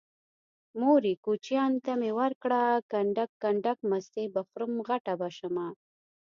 مورې کوچيانو ته مې ورکړه کنډک کنډک مستې به خورم غټه به شمه